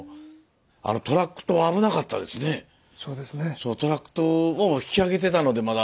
そのトラック島を引き揚げてたのでまだ。